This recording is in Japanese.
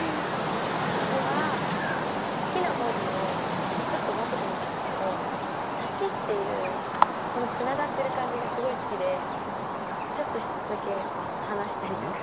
私は好きな文字をちょっと分けてみたんですけど「さし」っていうこのつながってる感じがすごい好きでちょっと１つだけ離したりとか。